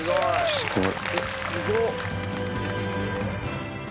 すごい。